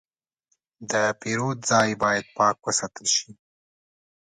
د پیرود ځای باید پاک وساتل شي.